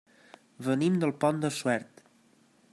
Venim del Pont de Suert.